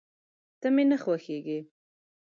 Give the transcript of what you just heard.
ته مي نه خوښېږې !